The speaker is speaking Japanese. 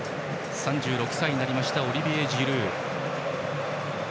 ３６歳になったオリビエ・ジルー。